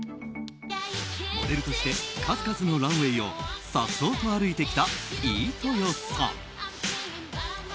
モデルとして数々のランウェーをさっそうと歩いてきた飯豊さん。